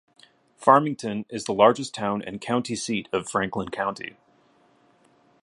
Farmington is the largest town, and county seat, of Franklin County.